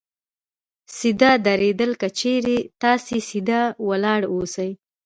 سیده درېدل : که چېرې تاسې سیده ولاړ اوسئ